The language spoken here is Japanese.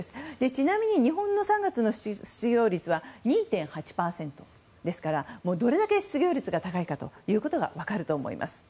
ちなみに日本の３月の失業率は２．８％ですからどれだけ失業率が高いかが分かると思います。